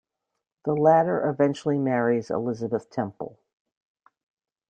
The latter eventually marries Elizabeth Temple.